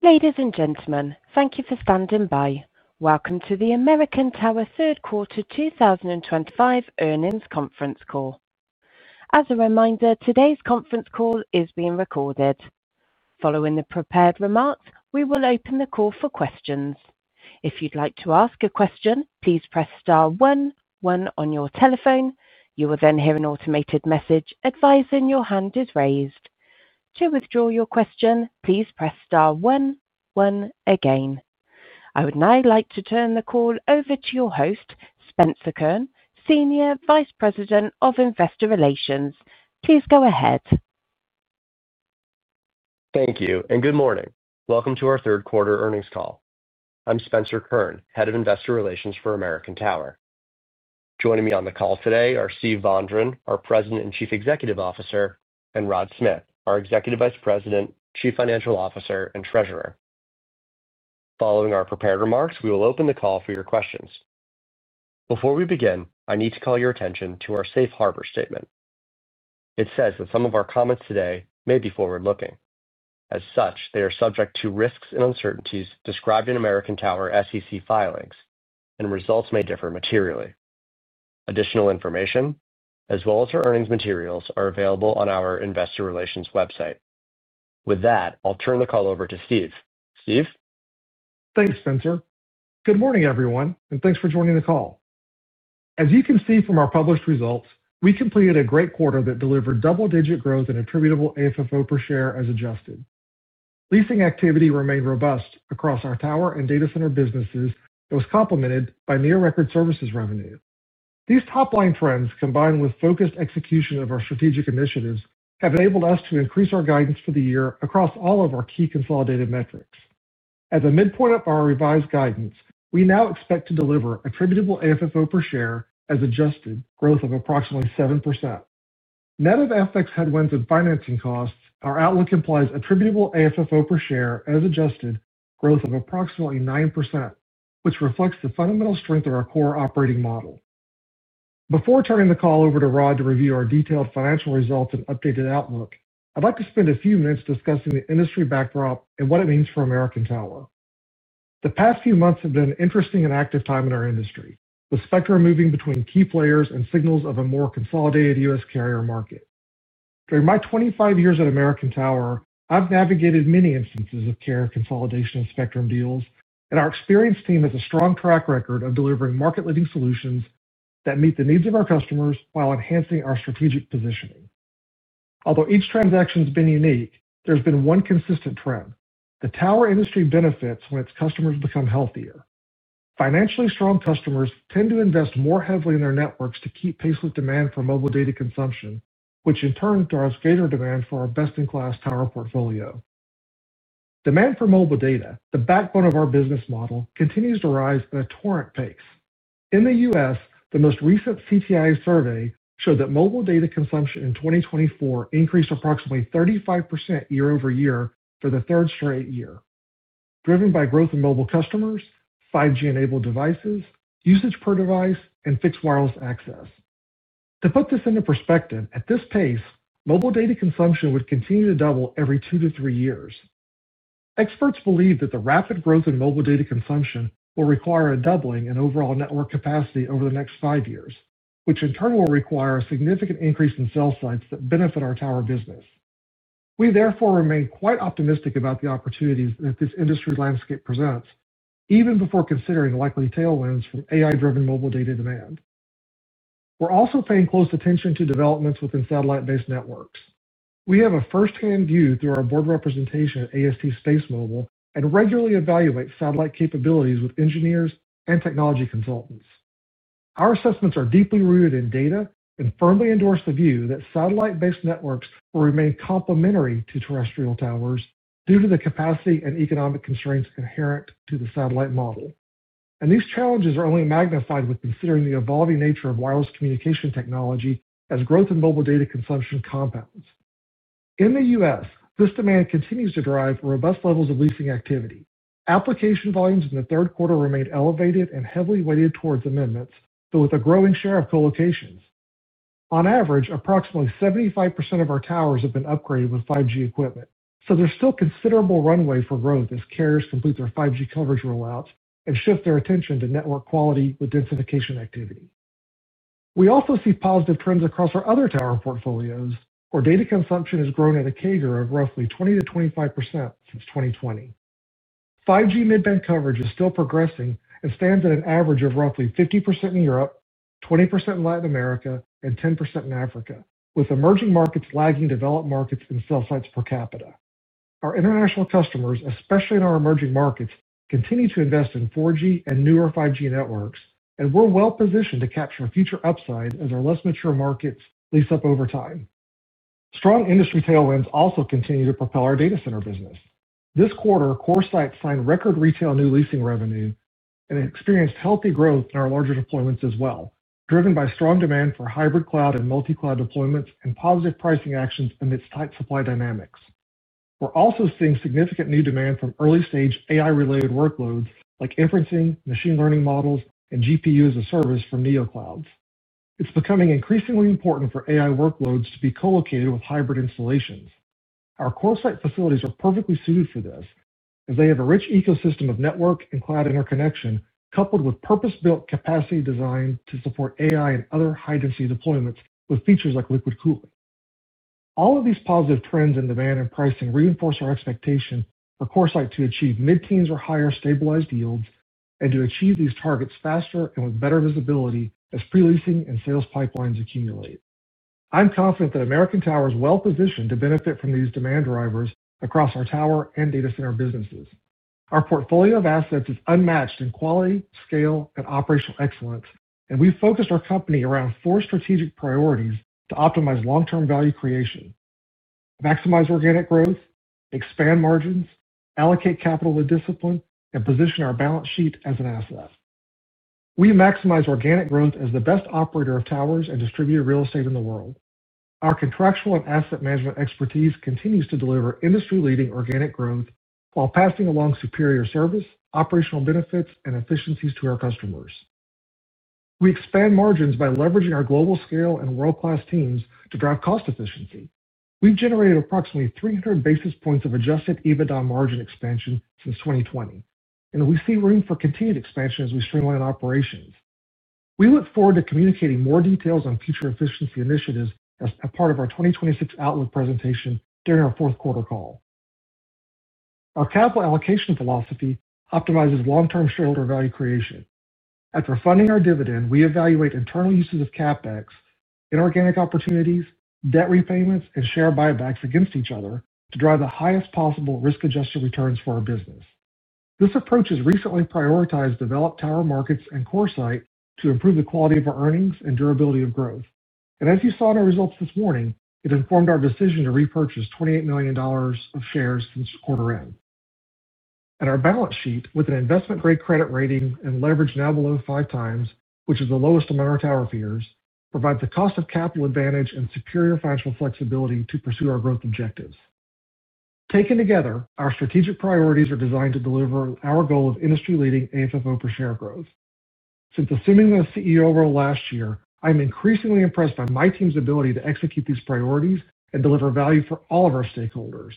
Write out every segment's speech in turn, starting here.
Ladies and gentlemen, thank you for standing by. Welcome to the American Tower third quarter 2025 earnings conference call. As a reminder, today's conference call is being recorded. Following the prepared remarks, we will open the call for questions. If you'd like to ask a question, please press star one one on your telephone. You will then hear an automated message advising your hand is raised. To withdraw your question, please press star one one again. I would now like to turn the call over to your host, Spencer Kern, Senior Vice President of Investor Relations. Please go ahead. Thank you and good morning. Welcome to our third quarter earnings call. I'm Spencer Kern, Senior Vice President of Investor Relations for American Tower. Joining me on the call today are Steve Vondran, our President and Chief Executive Officer, and Rod Smith, our Chief Financial Officer. Following our prepared remarks, we will open. Thank you for your questions. Before we begin, I need to call your attention to our Safe Harbor statement. It says that some of our comments. Today may be forward looking. As such, they are subject to risks and uncertainties described in American Tower SEC filings, and results may differ materially. Additional information as well as our earnings materials are available on our investor relations website. With that, I'll turn the call over to Steve. Steve. Thanks, Spencer. Good morning, everyone, and thanks for joining the call. As you can see from our published results, we completed a great quarter that delivered double-digit growth in attributable AFFO per share as adjusted. Leasing activity remained robust across our tower and data center businesses. That was complemented by near-record services revenue. These top-line trends, combined with focused execution of our strategic initiatives, have enabled us to increase our guidance for the year across all of our key consolidated metrics. At the midpoint of our revised guidance, we now expect to deliver attributable AFFO per share as adjusted growth of approximately 7% net of FX headwinds and financing costs. Our outlook implies attributable AFFO per share as adjusted growth of approximately 9%, which reflects the fundamental strength of our core operating model. Before turning the call over to Rod to review our detailed financial results and updated outlook, I'd like to spend a few minutes discussing the industry backdrop and what it means for American Tower. The past few months have been an interesting and active time in our industry. The spectrum moving between key players and signals of a more consolidated U.S. carrier market. During my 25 years at American Tower, I've navigated many instances of carrier consolidation and spectrum deals, and our experienced team has a strong track record of delivering market-leading solutions that meet the needs of our customers while enhancing our strategic positioning. Although each transaction has been unique, there's been one consistent trend. The tower industry benefits when its customers become healthier. Financially strong customers tend to invest more heavily in their networks to keep pace with demand for mobile data consumption, which in turn draws greater demand for our best-in-class tower portfolio. Demand for mobile data, the backbone of our business model, continues to rise at a torrent pace. In the U.S., the most recent CTIA survey showed that mobile data consumption in 2024 increased approximately 35% year-over-year for the third straight year, driven by growth in mobile customers, 5G-enabled devices, usage per device, and fixed wireless access. To put this into perspective, at this pace, mobile data consumption would continue to double every two to three years. Experts believe that the rapid growth in mobile data consumption will require a doubling in overall network capacity over the next five years, which in turn will require a significant increase in cell sites that benefit our tower business. We therefore remain quite optimistic about the opportunities that this industry landscape presents, even before considering likely tailwinds from AI-driven mobile data demand. We're also paying close attention to developments within satellite-based networks. We have a firsthand view through our board representation at AST SpaceMobile and regularly evaluate satellite capabilities with engineers and technology consultants. Our assessments are deeply rooted in data and firmly endorse the view that satellite-based networks will remain complementary to terrestrial towers due to the capacity and economic constraints inherent to the satellite model. These challenges are only magnified when considering the evolving nature of wireless communication technology. As growth in mobile data consumption compounds in the U.S., this demand continues to drive robust levels of leasing activity. Application volumes in the third quarter remained elevated and heavily weighted towards amendments, but with a growing share of colocations. On average, approximately 75% of our towers have been upgraded with 5G equipment, so there's still considerable runway for growth as carriers complete their 5G coverage rollouts and shift their attention to network quality with densification activity. We also see positive trends across our other tower portfolios where data consumption has grown at a CAGR of roughly 20%-25% since 2020. 5G mid-band coverage is still progressing and stands at an average of roughly 50% in Europe, 20% in Latin America, and 10% in Africa. With emerging markets lagging developed markets in cell sites per capita, our international customers, especially in our emerging markets, continue to invest in 4G and newer 5G networks, and we're well positioned to capture future upside as our less mature markets lease up over time. Strong industry tailwinds also continue to propel our data center business. This quarter, CoreSite signed record retail new leasing revenue and experienced healthy growth in our larger deployments as well, driven by strong demand for hybrid cloud and multi-cloud deployments and positive pricing actions amidst tight supply dynamics. We're also seeing significant new demand from early stage AI-related workloads like inferencing, machine learning models, and GPU as a service for neo clouds. It's becoming increasingly important for AI workloads to be co-located with hybrid installations. Our CoreSite facilities are perfectly suited for this, as they have a rich ecosystem of network and cloud interconnection coupled with purpose-built capacity designed to support AI and other high-density deployments with features like liquid cooling. All of these positive trends in demand and pricing reinforce our expectation for CoreSite to achieve mid-teens or higher stabilized yields and to achieve these targets faster and with better visibility as pre-leasing and sales pipelines accumulate. I'm confident that American Tower is well positioned to benefit from these demand drivers across our tower and data center businesses. Our portfolio of assets is unmatched in quality, scale, and operational excellence, and we focused our company around four strategic priorities to optimize long-term value creation, maximize organic growth, expand margins, allocate capital with discipline, and position our balance sheet as an asset. We maximize organic growth as the best operator of towers and distributed real estate in the world. Our contractual and asset management expertise continues to deliver industry-leading organic growth while passing along superior service, operational benefits, and efficiencies to our customers. We expand margins by leveraging our global scale and world-class teams to drive cost efficiency. We've generated approximately 300 basis points of adjusted EBITDA margin expansion since 2020, and we see room for continued expansion as we streamline operations. We look forward to communicating more details on future efficiency initiatives as a part of our 2026 outlook presentation during our fourth quarter call. Our capital allocation philosophy optimizes long-term shareholder value creation. After funding our dividend, we evaluate internal uses of CapEx, inorganic opportunities, debt repayments, and share buybacks against each other to drive the highest possible risk-adjusted returns for our business. This approach has recently prioritized developed tower markets and CoreSite to improve the quality of our earnings and durability of growth. As you saw in our results this morning, it informed our decision to repurchase $28 million of shares since quarter end. Our balance sheet, with an investment grade credit rating and leverage now below 5x, which is the lowest among our tower peers, provides a cost of capital advantage and superior financial flexibility to pursue our growth objectives. Taken together, our strategic priorities are designed to deliver our goal of industry leading AFFO per share growth. Since assuming the CEO role last year, I'm increasingly impressed by my team's ability to execute these priorities and deliver value for all of our stakeholders.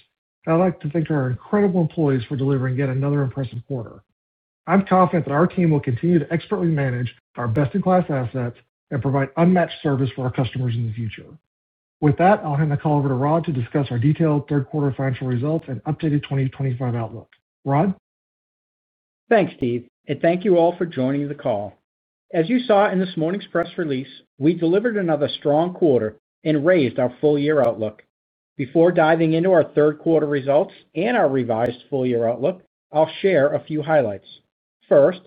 I'd like to thank our incredible employees for delivering yet another impressive quarter. I'm confident that our team will continue to expertly manage our best-in-class assets and provide unmatched service for our customers in the future. With that, I'll hand the call over to Rod to discuss our detailed third quarter financial results and updated 2025 outlook. Rod, thanks Steve, and thank you all for joining the call. As you saw in this morning's press release, we delivered another strong quarter and raised our full year outlook. Before diving into our third quarter results and our revised full year outlook, I'll share a few highlights. First,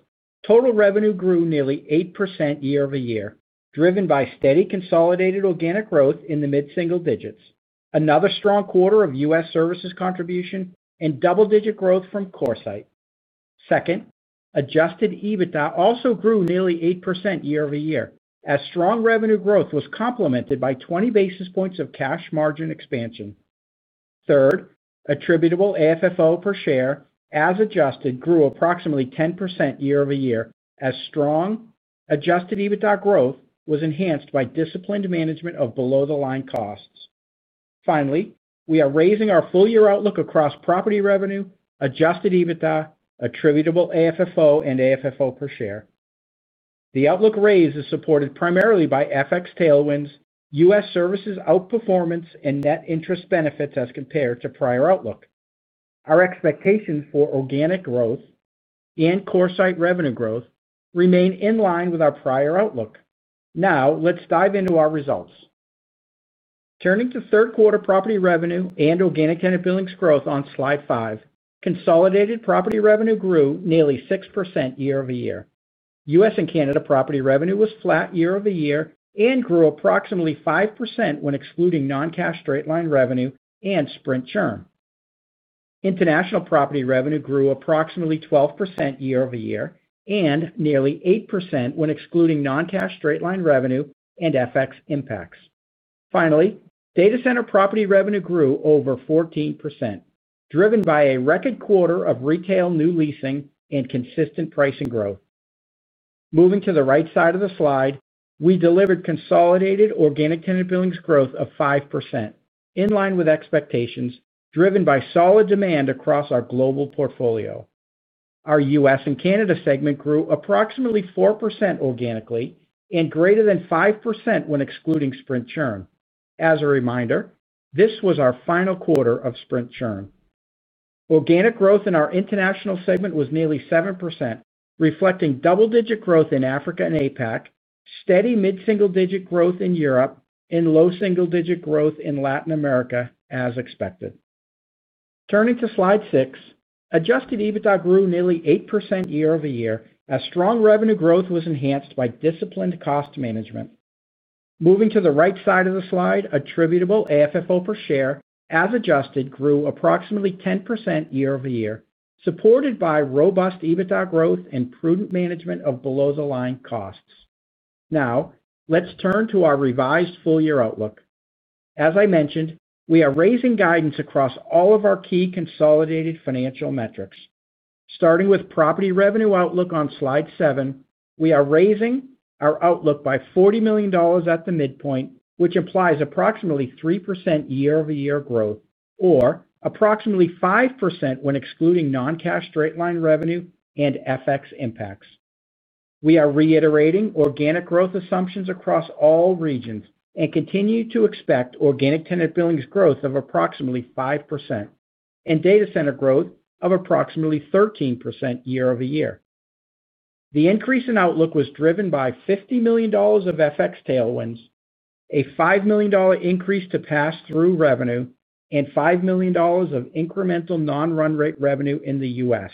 total revenue grew nearly 8% year-over-year, driven by steady consolidated organic growth in the mid single digits, another strong quarter of U.S. services contribution, and double-digit growth from CoreSite. Second, adjusted EBITDA also grew nearly 8% year-over-year as strong revenue growth was complemented by 20 basis points of cash margin expansion. Third, attributable AFFO per share as adjusted grew approximately 10% year-over-year as strong adjusted EBITDA growth was enhanced by disciplined management of below the line costs. Finally, we are raising our full year outlook across property revenue, adjusted EBITDA, attributable AFFO, and AFFO per share. The outlook raise is supported primarily by FX tailwinds, U.S. services outperformance, and net interest benefits as compared to prior outlook. Our expectations for organic growth and CoreSite revenue growth remain in line with our prior outlook. Now let's dive into our results. Turning to third quarter property revenue and organic tenant billings growth on slide 5, consolidated property revenue grew nearly 6% year-over-year. U.S. and Canada property revenue was flat year over year and grew approximately 5% when excluding non-cash straight-line revenue and Sprint churn. International property revenue grew approximately 12% year-over-year and nearly 8% when excluding non-cash straight-line revenue and FX impacts. Finally, data center property revenue grew over 14%, driven by a record quarter of retail new leasing and consistent pricing growth. Moving to the right side of the slide, we delivered consolidated organic tenant billings growth of 5% in line with expectations, driven by solid demand across our global portfolio. Our U.S. and Canada segment grew approximately 4% organically and greater than 5% when excluding Sprint churn. As a reminder, this was our final quarter of Sprint churn. Organic growth in our international segment was nearly 7%, reflecting double-digit growth in Africa and APAC, steady mid single-digit growth in Europe, and low single-digit growth in Latin America as expected. Turning to slide 6, adjusted EBITDA grew nearly 8% year-over-year as strong revenue growth was enhanced by disciplined cost management. Moving to the right side of the slide, attributable AFFO per share as adjusted grew approximately 10% year-over-year, supported by robust EBITDA growth and prudent management of below the line costs. Now let's turn to our revised full year outlook. As I mentioned, we are raising guidance across all of our key consolidated financial metrics. Starting with property revenue outlook on Slide 7, we are raising our outlook by $40 million at the midpoint, which implies approximately 3% year-over-year growth or approximately 5% when excluding non-cash straight-line revenue and FX impacts. We are reiterating organic growth assumptions across all regions and continue to expect organic tenant billings growth of approximately 5% and data center growth of approximately 13% year-over-year. The increase in outlook was driven by $50 million of FX tailwinds, a $5 million increase to pass-through revenue, and $5 million of incremental non-run rate revenue in the U.S.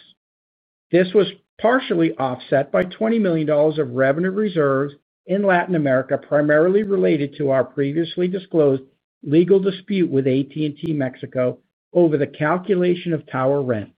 This was partially offset by $20 million of revenue reserves in Latin America, primarily related to our previously disclosed legal dispute with AT&T Mexico over the calculation of tower rental.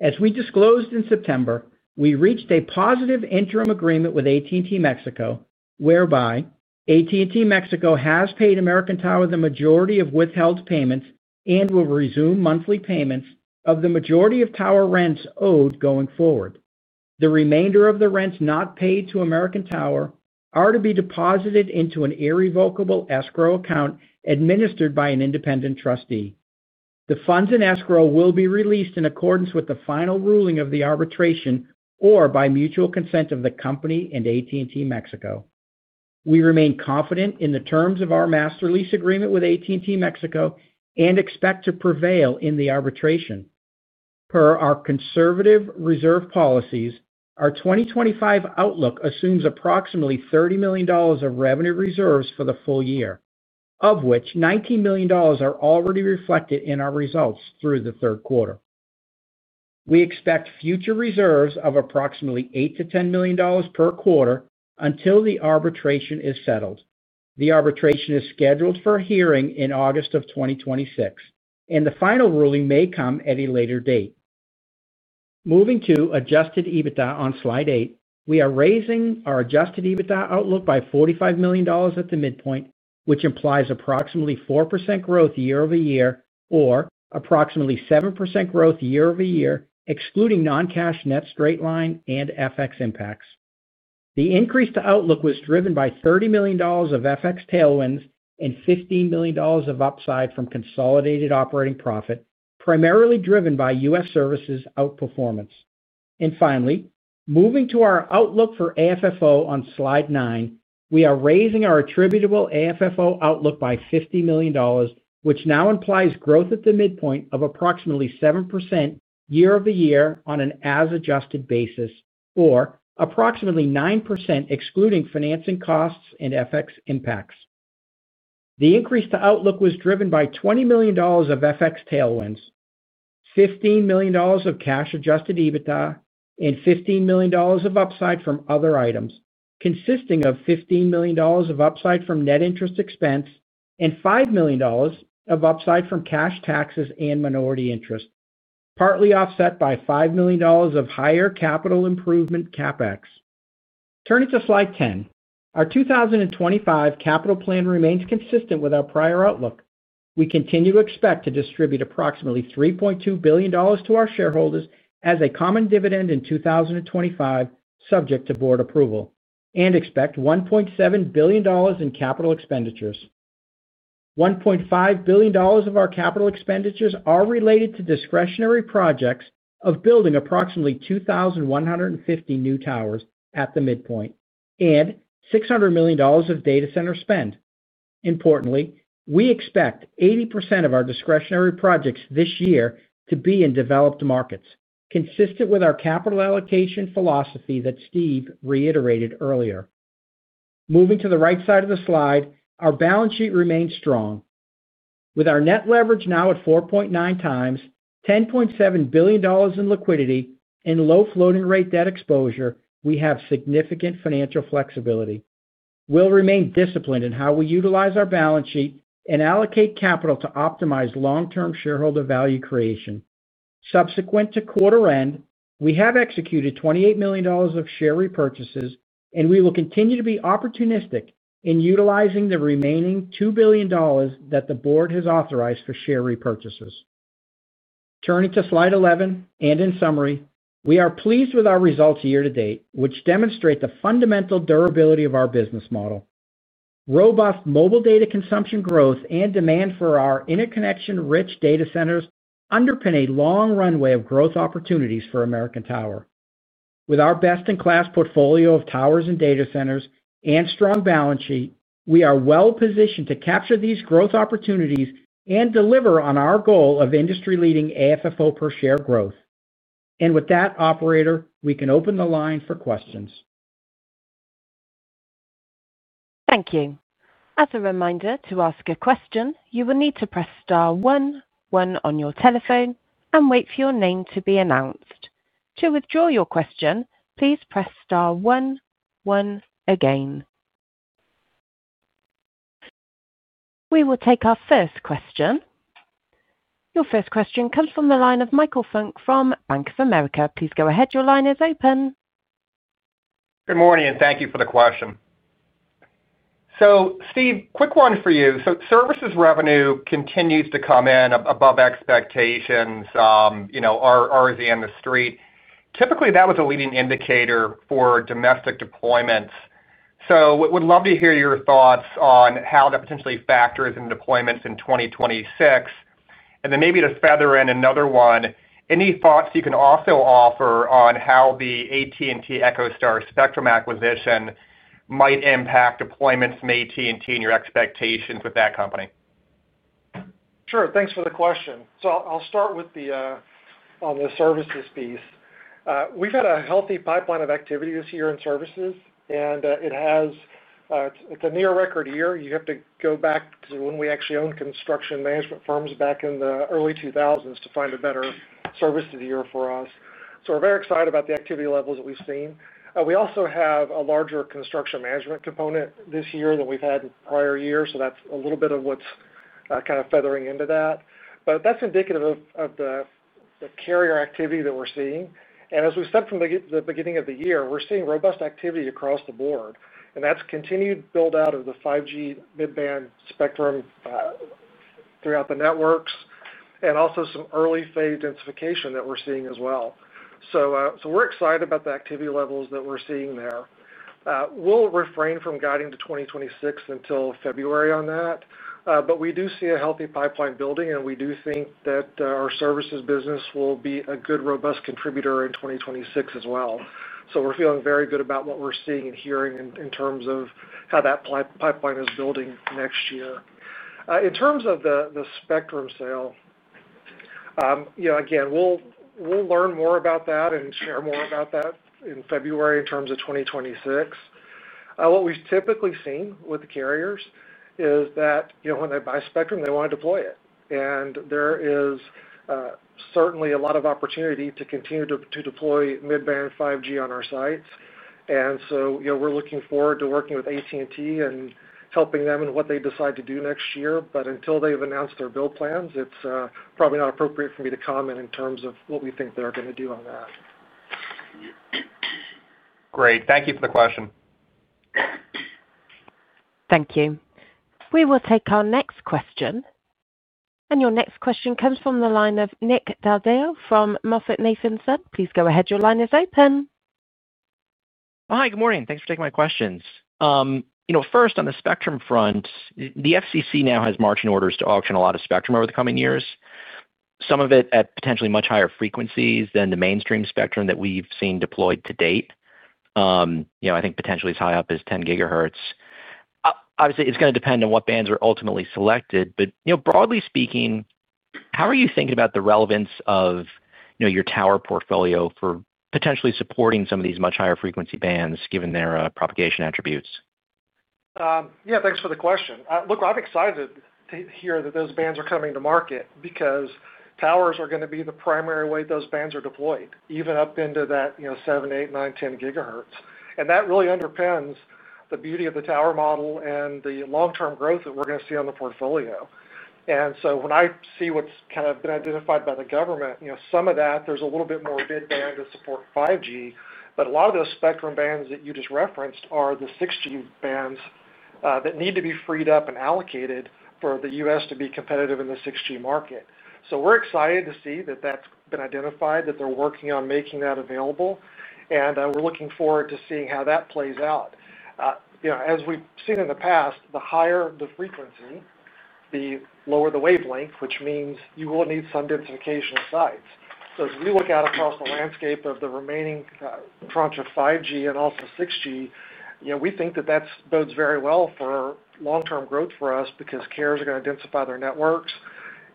As we disclosed in September, we reached a positive interim agreement with AT&T Mexico whereby AT&T Mexico has paid American Tower the majority of withheld payments and will resume monthly payments of the majority of tower rents owed going forward. The remainder of the rents not paid to American Tower are to be deposited into an irrevocable escrow account administered by an independent trustee. The funds in escrow will be released in accordance with the final ruling of the arbitration or by mutual consent of the company and AT&T Mexico. We remain confident in the terms of our master lease agreement with AT&T Mexico and expect to prevail in the arbitration per our conservative reserve policies. Our 2025 outlook assumes approximately $30 million of revenue reserves for the full year, of which $19 million are already reflected in our results through the third quarter. We expect future reserves of approximately $8 million-$10 million per quarter until the arbitration is settled. The arbitration is scheduled for hearing in August of 2026 and the final ruling may come at a later date. Moving to adjusted EBITDA on slide 8, we are raising our adjusted EBITDA outlook by $45 million at the midpoint, which implies approximately 4% growth year-over-year or approximately 7% growth year- over-year, excluding non-cash net straight-line and FX impacts. The increase to outlook was driven by $30 million of FX tailwinds and $15 million of upside from consolidated operating profit, primarily driven by U.S. services outperformance. Finally, moving to our outlook for AFFO on slide 9, we are raising our attributable AFFO outlook by $50 million, which now implies growth at the midpoint of approximately 7% year-over-year on an as adjusted basis or approximately 9% excluding financing costs and FX impacts. The increase to outlook was driven by $20 million of FX tailwinds, $15 million of cash adjusted EBITDA, and $15 million of upside from other items, consisting of $15 million of upside from net interest expense and $5 million of upside from cash taxes and minority interest, partly offset by $5 million of higher capital improvement CapEx. Turning to slide 10, our 2025 capital plan remains consistent with our prior outlook. We continue to expect to distribute approximately $3.2 billion to our shareholders as a common dividend in 2025, subject to board approval, and expect $1.7 billion in capital expenditures. $1.5 billion of our capital expenditures are related to discretionary projects of building approximately 2,150 new towers at the midpoint and $600 million of data center spend. Importantly, we expect 80% of our discretionary projects this year to be in developed markets, consistent with our capital allocation philosophy that Steve reiterated earlier. Moving to the right side of the slide, our balance sheet remains strong. With our net leverage now at 4.9x, $10.7 billion in liquidity, and low floating rate debt exposure, we have significant financial flexibility. We will remain disciplined in how we utilize our balance sheet and allocate capital to optimize long-term shareholder value creation. Subsequent to quarter end, we have executed $28 million of share repurchases and we will continue to be opportunistic in utilizing the remaining $2 billion that the board has authorized for share repurchases. Turning to slide 11 and in summary, we are pleased with our results year to date, which demonstrate the fundamental durability of our business model. Robust mobile data consumption growth and demand for our interconnection-rich data centers underpin a long runway of growth opportunities for American Tower. With our best-in-class portfolio of towers and data centers and strong balance sheet, we are well positioned to capture these growth opportunities and deliver on our goal of industry-leading AFFO per share growth. With that, operator, we can open the line for questions. Thank you. As a reminder, to ask a question, you will need to press star one one on your telephone and wait for your name to be announced. To withdraw your question, please press star one one again. We will take our first question. Your first question comes from the line of Michael Funk from Bank of America. Please go ahead. Your line is open. Good morning and thank you for the question. Steve, quick one for you. Services revenue continues to come in above expectations. R is the end of the street. Typically, that was a leading indicator for domestic deployments. We'd love to hear your thoughts on how that potentially factors in deployments. In 2026 and then maybe to feather in another one. Any thoughts you can also offer on how the AT&T EchoStar spectrum acquisition might impact deployments from AT&T and your expectations with that company? Sure. Thanks for the question. I'll start with the services piece. We've had a healthy pipeline of activity this year in services, and it has been a near record year. You have to go back to when we actually owned construction management firms back in the early 2000s to find a better services year for us. We're very excited about the activity levels that we've seen. We also have a larger construction management component this year than we've had in prior years. That's a little bit of what's kind of feathering into that, but that's indicative of the carrier activity that we're seeing. As we said from the beginning of the year, we're seeing robust activity across the board, and that's continued build out of the 5G mid band spectrum throughout the networks and also some early phase densification that we're seeing as well. We're excited about the activity levels that we're seeing there. We'll refrain from guiding to 2026 until February on that, but we do see a healthy pipeline building, and we do think that our services business will be a good robust contributor in 2026 as well. We're feeling very good about what we're seeing and hearing in terms of how that pipeline is building next year. In terms of the spectrum sale, again, we'll learn more about that and share more about that in February. In terms of 2026, what we've typically seen with the carriers is that when they buy spectrum, they want to deploy it, and there is certainly a lot of opportunity to continue to deploy mid band 5G on our sites. We're looking forward to working with AT&T and helping them in what they decide to do next year. Until they've announced their build plans, it's probably not appropriate for me to comment in terms of what we think they're going to do on that. Great. Thank you for the question. Thank you. We will take our next question. Your next question comes from the line of Nick Del Deo from MoffettNathanson. Please go ahead. Your line is open. Hi, good morning. Thanks for taking my questions. First, on the spectrum front, the FCC now has marching orders to auction a lot of spectrum over the coming years, some of it at potentially much higher frequencies than the mainstream spectrum that we've seen deployed to date. I think potentially as high up as 10 GHz. Obviously, it's going to depend on what bands are ultimately selected, but broadly speaking, how are you thinking about the relevance of your tower portfolio for potentially supporting some of these much higher frequency bands, given their propagation attributes? Yeah, thanks for the question. Look, I'm excited to hear that those bands are coming to market because towers are going to be the primary way those bands are deployed, even up into that 7 GHz, 8 GHz, 9 GHz, 10 GHz. That really underpins the beauty of the tower model and the long-term growth that we're going to see on the portfolio. When I see what's kind of been identified by the government, some of that, there's a little bit more bid band to support, but a lot of those spectrum bands that you just referenced are the 6G bands that need to be freed up and allocated for the U.S. to be competitive in the 6G market. We're excited to see that that's been identified, that they're working on making that available, and we're looking forward to seeing how that plays out. As we've seen in the past, the higher the frequency, the lower the wavelength, which means you will need some densification of sites. As we look out across the landscape of the remaining tranche of 5G and also 6G, we think that that bodes very well for long-term growth for us because carriers are going to densify their networks,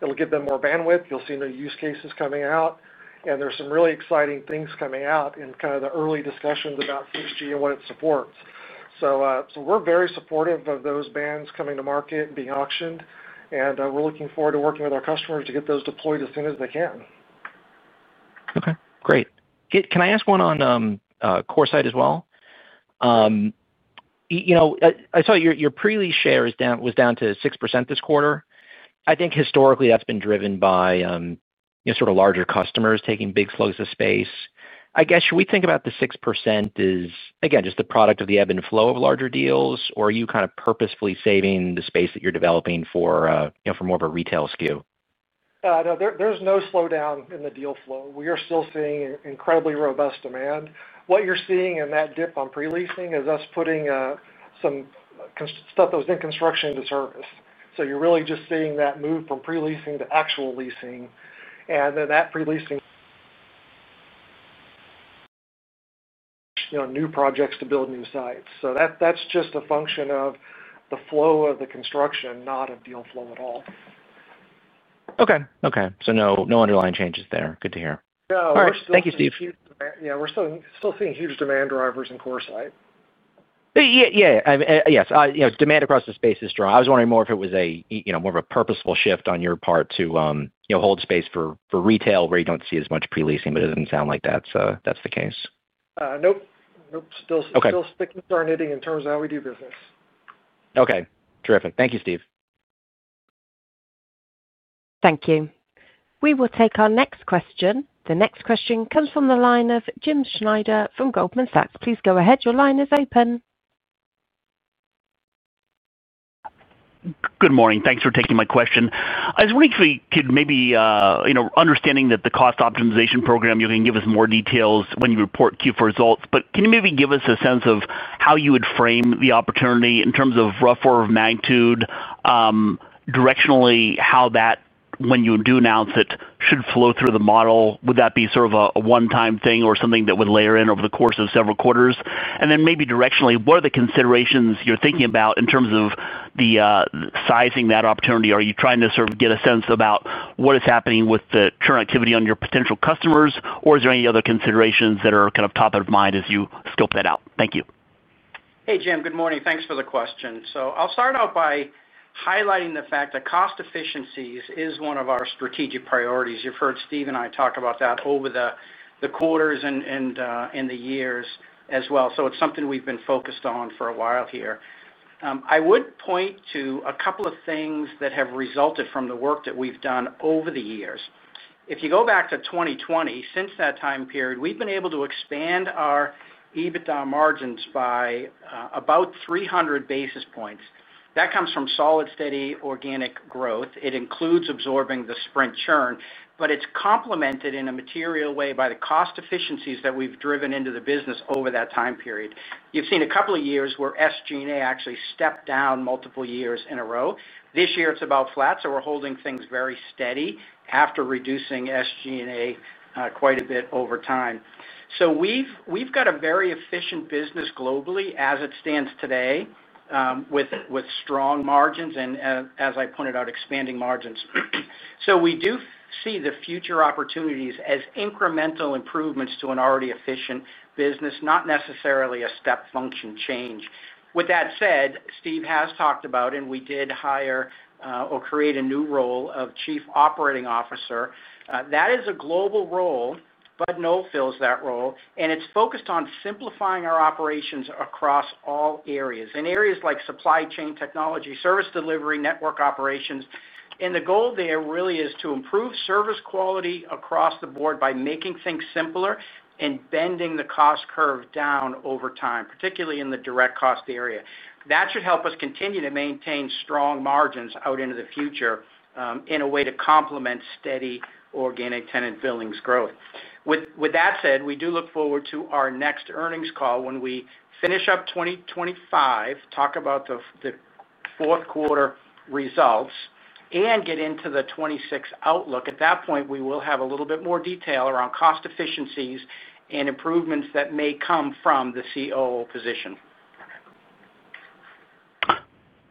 it'll give them more bandwidth, you'll see new use cases coming out and there's some really exciting things coming out in kind of the early discussions about 6G and what it supports. We're very supportive of those bands coming to market being auctioned and we're looking forward to working with our customers to get those deployed as soon as they can. Okay, great. Can I ask one on CoreSite as well? Well. I saw your pre-lease share was down to 6% this quarter. I think historically that's been driven by larger customers taking big slugs of space. I guess. Should we think about the 6% as again just the product of the ebb and flow of larger deals, or are you purposefully saving the space that you're developing for more of a retail SKU? There's no slowdown in the deal flow. We are still seeing incredibly robust demand. What you're seeing in that dip on pre-leasing is us putting some stuff that was in construction into service. You're really just seeing that move from pre-leasing to actual leasing and then that pre-leasing new projects to build new sites. That's just a function of the flow of the construction, not of deal flow at all. Okay. Okay. No underlying changes there. Good to hear. Thank you, Steve. Yeah, we're still seeing huge demand drivers in CoreSite. Yes. Demand across the space is strong. I was wondering more if it was. More of a purposeful shift on your. Part to hold space for retail where you don't see as much pre-leasing, but it doesn't sound like that's the case. Nope, still sticking to our knitting in terms of how we do business. Okay, terrific. Thank you, Steve. Thank you. We will take our next question. The next question comes from the line of Jim Schneider from Goldman Sachs. Please go ahead. Your line is open. Good morning. Thanks for taking my question. I was wondering if we could maybe, understanding that the cost optimization program, you can give us more details when you report Q4 results, but can you maybe give us a sense of how you would frame the opportunity in terms of rough order of magnitude, directionally, how that, when you do announce it, should flow through the model? Would that be sort of a one-time thing or something that would layer in over the course of several quarters, and then maybe, directionally, what are the considerations you're thinking about in terms of sizing that opportunity? Are you trying to get a sense about what is happening with the churn activity on your potential customers, or is there any other considerations that are top of mind as you scope that out? Thank you. Hey Jim, good morning. Thanks for the question. I'll start out by highlighting the fact that cost efficiencies is one of our strategic priorities. You've heard Steve and I talk about that over the quarters and the years as well. It's something we've been focused on for a while here. I would point to a couple of things that have resulted from the work that we've done over the years. If you go back to 2020, since that time period we've been able to expand our EBITDA margins by about 300 basis points. That comes from solid, steady organic growth. It includes absorbing the Sprint churn, but it's complemented in a material way by the cost efficiencies that we've driven into the business over that time period. You've seen a couple of years where SG&A actually stepped down multiple years in a row. This year it's about flat. We're holding things very steady after reducing SG&A quite a bit over time. We've got a very efficient business globally as it stands today with strong margins and, as I pointed out, expanding margins. We do see the future opportunities as incremental improvements to an already efficient business, not necessarily a step function change. With that said, Steve has talked about, and we did hire or create a new role of Chief Operating Officer. That is a global role. Bud Noel fills that role, and it's focused on simplifying our operations across all areas in areas like supply chain, technology, service delivery, network operations. The goal there really is to improve service quality across the board by making things simpler and bending the cost curve down over time, particularly in the direct cost area. That should help us continue to maintain strong margins out into the future in a way to complement steady organic tenant billings growth. With that said, we do look forward to our next earnings call when we finish up 2025, talk about the fourth quarter results, and get into the 2026 outlook. At that point, we will have a little bit more detail around cost efficiencies and improvements that may come from the COO position.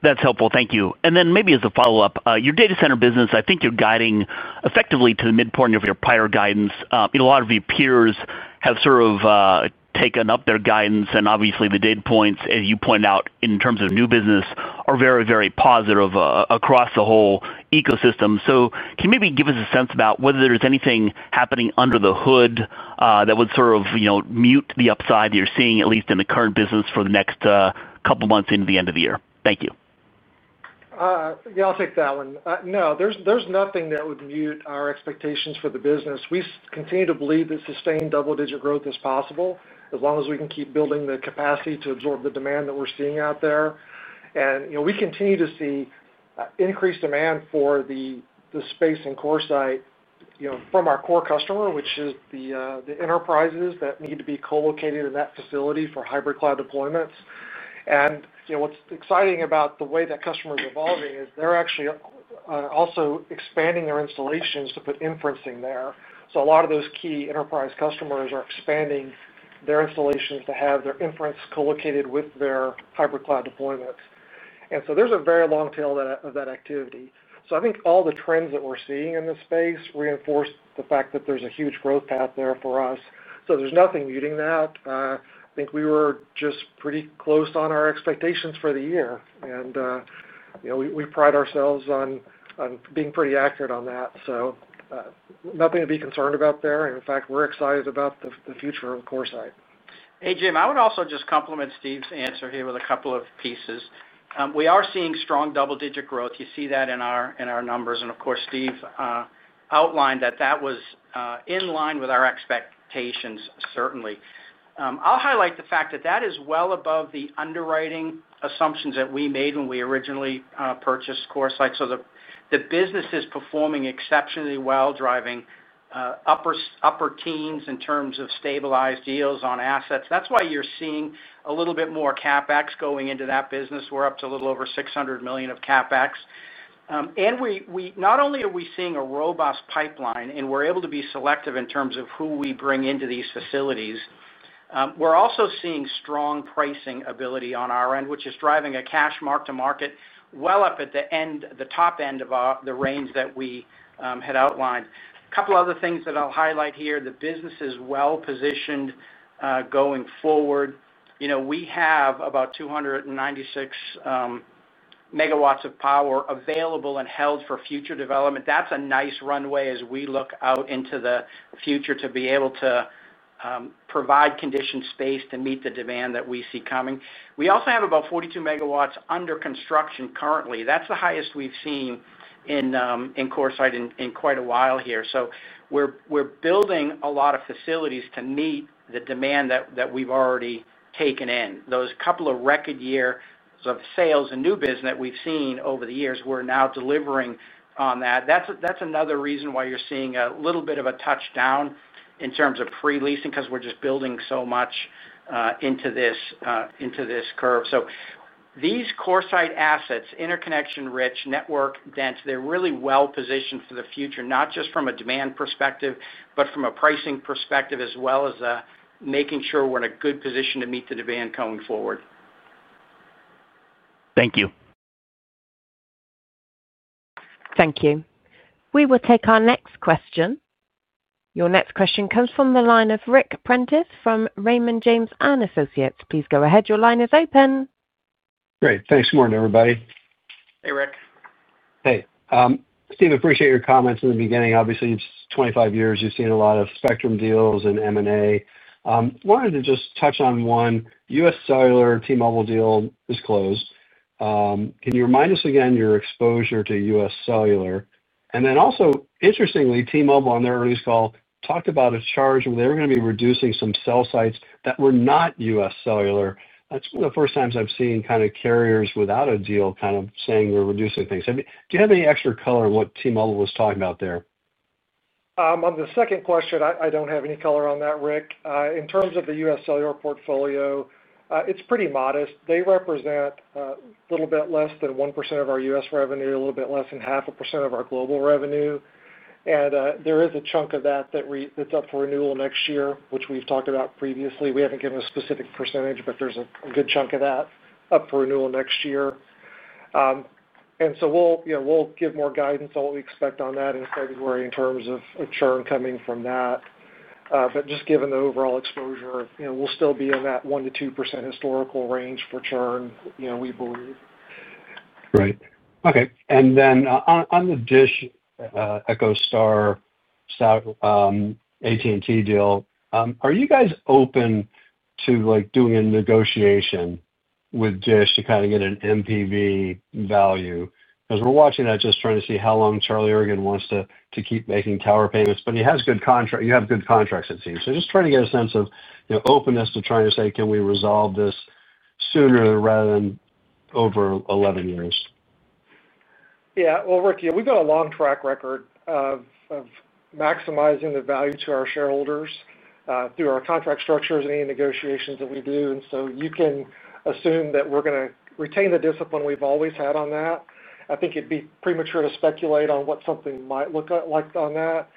That's helpful, thank you. Maybe as a follow-up, your data center business, I think you're guiding effectively to the midpoint of your prior guidance. A lot of your peers have taken up their guidance, and obviously the data points, as you pointed out in terms of new business, are very, very positive across the whole ecosystem. Can you maybe give us a sense about whether there's anything happening under the hood that would drive the upside you're seeing, at least in the current business, for the next couple months into the end of the year? Thank you. Yeah, I'll take that one. No, there's nothing that would mute our expectations for the business. We continue to believe that sustained double-digit growth is possible as long as we can keep building the capacity to absorb the demand that we're seeing out there. We continue to see increased demand for the space in CoreSite from our core customer, which is the enterprises that need to be co-located in that facility for hybrid cloud deployments. What's exciting about the way that customer is evolving is they're actually also expanding their installations to put inferencing there. A lot of those key enterprise customers are expanding their installations to have their inference co-located with their hybrid cloud deployment, and there's a variable long tail of that activity. I think all the trends that we're seeing in this space reinforce the fact that there's a huge growth path there for us. There's nothing muting that. I think we were just pretty close on our expectations for the year, and we pride ourselves on being pretty accurate on that. Nothing to be concerned about there. In fact, we're excited about the future of CoreSite. Hey Jim, I would also just compliment Steve, Steve's answer here with a couple of pieces. We are seeing strong double-digit growth. You see that in our numbers, and of course Steve outlined that that was in line with our expectations. Certainly, I'll highlight the fact that that is well above the underwriting assumptions that we made when we originally purchased CoreSite. The business is performing exceptionally well, driving upper teens in terms of stabilized yields on assets. That's why you're seeing a little bit more CapEx going into that business. We're up to a little over $600 million of CapEx, and not only are we seeing a robust pipeline and we're able to be selective in terms of who we bring into these facilities, we're also seeing strong pricing ability on our end, which is driving a cash mark to market well up at the end, the top end of the range that we had outlined. A couple other things that I'll highlight here. The business is well positioned going forward. We have about 296 MW of power available and held for future development. That's a nice runway as we look out into the future to be able to provide conditioned space to meet the demand that we see coming. We also have about 42 MW under construction currently. That's the highest we've seen in CoreSite in quite a while here. We're building a lot of facilities to meet the demand that we've already taken in those couple of record years of sales and new business we've seen over the years. We're now delivering on that. That's another reason why you're seeing a little bit of a touchdown in terms of pre-leasing because we're just building so much into this curve. These core CoreSite assets, interconnection-rich, network-dense, they're really well positioned for the future, not just from a demand perspective, but from a pricing perspective as well as making sure we're in a good position to meet the demand going forward. Thank you. Thank you. We will take our next question. Your next question comes from the line of Ric Prentiss from Raymond James & Associates. Please go ahead. Your line is open. Great, thanks. Morning, everybody. \ Hey, Ric. Hey, Steven. Appreciate your comments in the beginning. Obviously it's 25 years. You've seen a lot of spectrum deals and I wanted to just touch on. Once the U.S. Cellular T-Mobile deal is closed, can you remind us again your exposure to U.S. Cellular? Interestingly, T-Mobile on their earnings call talked about a charge where they were going to be reducing. Some cell sites that were not U.S. Cellular. That's one of the first times I've seen kind of carriers without a deal kind of saying we're reducing things. Do you have any extra color what T-Mobile was talking about there. On the second question? I don't have any color on that, Ric. In terms of the U.S. Cellular portfolio, it's pretty modest. They represent a little bit less than 1% of our U.S. revenue, a little bit less than 0.5% of our global revenue. There is a good chunk of that's up for renewal next year, which we've talked about previously. We haven't given a specific percentage, but there's a good chunk of that up for renewal next year. We'll give more guidance on what we expect on that in February in terms of churn coming from that. Just given the overall exposure, we'll still be in that 1%-2% historical range for churn, we believe. Right. Okay. And then on the Dish, EchoStar AT&T deal, are you guys open to like doing a negotiation with Dish to kind of get an NPV value? Because we're watching that. Just trying to see how long Charlie Ergen wants to keep making tower payments. He has good contracts, you have good contracts, it seems. Just trying to get a sense of openness to trying to say, can we resolve this sooner rather than over 11 years? Yeah, Ric, we've got a long track record of maximizing the value to our shareholders through our contract structures, any negotiations that we do. You can assume that we're going to retain the discipline we've always had on that. I think it'd be premature to speculate on what something might look like on that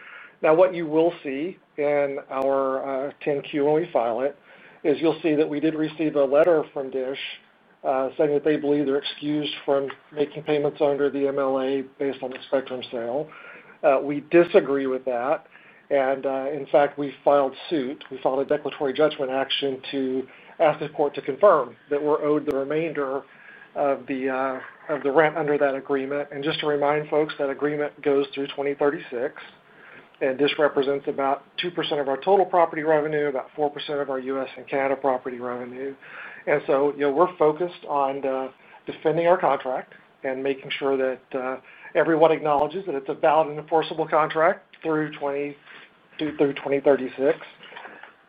now. What you will see in our 10Q when we file it is you'll see that we did receive a letter from Dish saying that they believe they're excused from making payments under the MLA based on the spectrum sale. We disagree with that and in fact we filed suit. We filed a declaratory judgment action to ask the court to confirm that we're owed the remainder of the rent under that agreement. Just to remind folks, that agreement goes through 2036 and this represents about 2% of our total property revenue, about 4% of our U.S. and Canada property revenue. We're focused on defending our contract and making sure that everyone acknowledges that it's a valid and enforceable contract through 2036.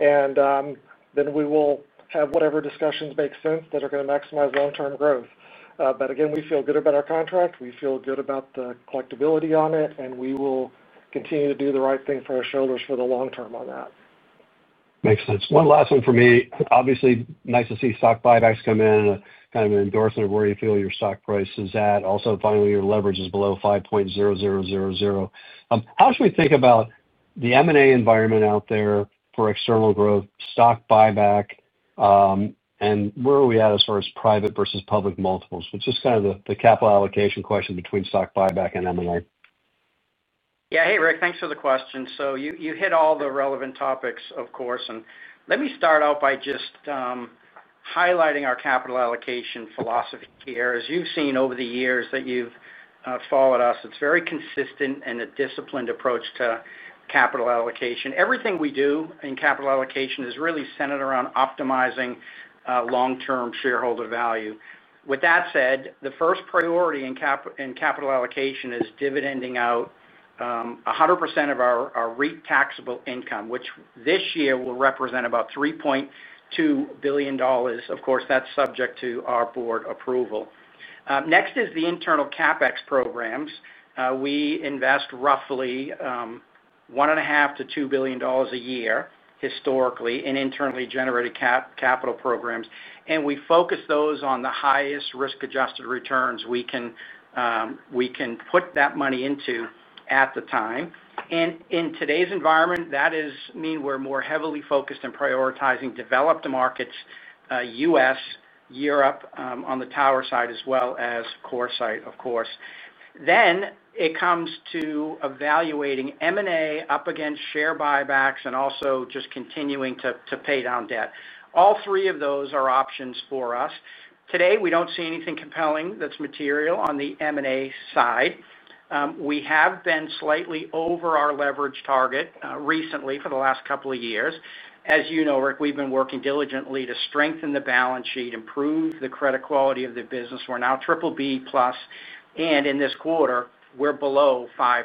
We will have whatever discussions make sense that are going to maximize long term growth. Again, we feel good about our contract, we feel good about the collectability on it and we will continue to do the right thing for our shareholders for the long term. That makes sense. One last one for me. Obviously nice to see stock buybacks come in. Kind of an endorsement of where you feel your stock price is at. Also, finally, your leverage is below 5.0. How should we think about the M&A environment out there for external growth, stock buyback, and where are we at as far as private versus public multiples? Which is kind of the capital allocation question between stock buyback and M&A. Yeah. Hey Ric, thanks for the question. You hit all the relevant topics of course. Let me start out by just highlighting our capital allocation philosophy here. As you've seen over the years that you've followed us, it's very consistent and a disciplined approach to capital allocation. Everything we do in capital allocation is really centered around optimizing long-term shareholder value. With that said, the first priority in capital allocation is dividending out 100% of our REIT taxable income, which this year will represent about $3.2 billion. Of course, that's subject to our board approval. Next is the internal CapEx programs. We invest roughly $1.5-$2 billion a year historically in internally generated capital programs and we focus those on the highest risk-adjusted returns we can put that money into at the time. In today's environment, that means we're more heavily focused in prioritizing developed markets, U.S., Europe on the tower side as well as CoreSite. Of course, then it comes to evaluating M&A up against share buybacks and also just continuing to pay down debt. All three of those are options for us today. We don't see anything compelling that's material. On the M&A side, we have been slightly over our leverage target recently. For the last couple of years, as you know Rick, we've been working diligently to strengthen the balance sheet, improve the credit quality of the business. We're now BBB and in this quarter we're below 5x.